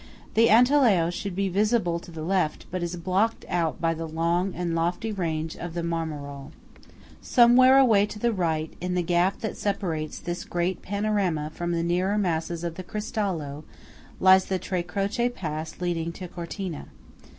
The Antelao should be visible to the left, but is blocked out by the long and lofty range of the Marmarole. Somewhere away to the right, in the gap that separates this great panorama from the nearer masses of the Cristallo, lies the Tre Croce pass leading to Cortina.